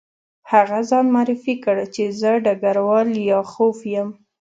هغه ځان معرفي کړ چې زه ډګروال لیاخوف یم